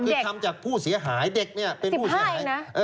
คือทำจากผู้เสียหายเด็กเป็นผู้เสียหาย๑๕อีกนะ